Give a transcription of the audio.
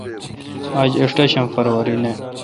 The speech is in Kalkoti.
آج ایݭٹم فروری نہ۔